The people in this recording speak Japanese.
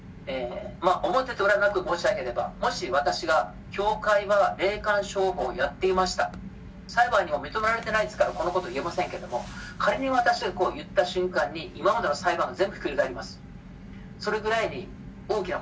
表と裏なく申し上げれば、もし私が教会は霊感商法をやっていました、裁判でも認められてないですから、このこと言えませんけれども、仮に私がこう言った瞬間に、今までの裁判が全部ひっくり返ります。